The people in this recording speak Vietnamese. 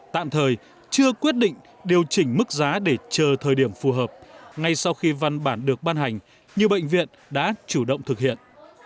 tạm thời chưa quyết định điều chỉnh mức giá để chờ thời điểm phù hợp ngay sau khi văn bản được ban hành nhiều bệnh viện đã chủ động thực hiện